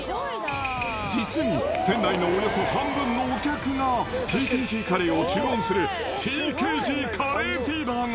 実に店内のおよそ半分のお客がＴＫＧカレーを注文する、ＴＫＧカレーフィーバーが。